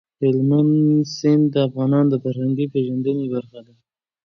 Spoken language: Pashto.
هلمند سیند د افغانانو د فرهنګي پیژندنې برخه ده.